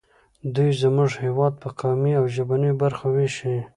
دوی زموږ هېواد په قومي او ژبنیو برخو ویشي